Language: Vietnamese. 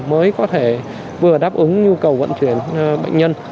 mới có thể vừa đáp ứng nhu cầu vận chuyển bệnh nhân